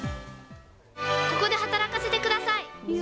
ここで働かせてください！